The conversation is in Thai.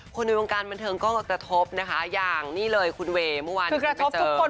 คนในวงการบันเทิงก็กระทบอย่างนี่เลยคุณเวคือกระทบทุกคน